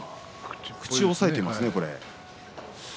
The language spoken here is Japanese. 口を押さえていますね。